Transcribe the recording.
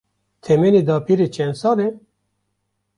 Temenê dapîrê çend sal e?